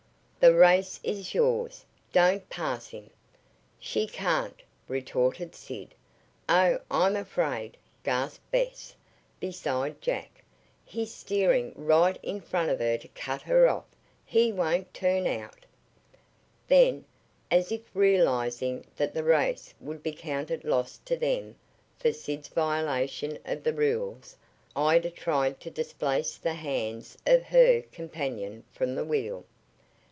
"The race is yours. Don't pass him." "She can't!" retorted Sid. "Oh, I'm afraid!" gasped Bess, beside Jack. "He's steering right in front of her to cut her off. He won't turn out." Then, as if realizing that the race would be counted lost to them for Sid's violation of the rules, Ida tried to displace the hands of her, companion from the wheel.